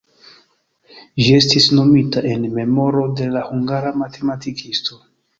Ĝi estis nomita en memoro de la hungara matematikisto.